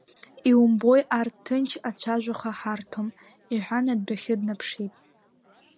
Иумбои, арҭ ҭынч ацәажәаха ҳарҭом, — иҳәан, адәахьы днаԥшит.